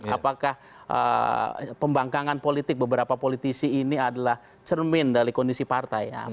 apakah pembangkangan politik beberapa politisi ini adalah cermin dari kondisi partai